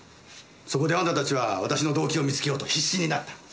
そこであんたたちは私の動機を見つけようと必死になった。